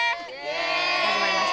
「始まりました」